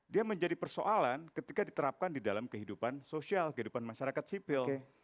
dia menjadi persoalan ketika diterapkan di dalam kehidupan sosial kehidupan masyarakat sipil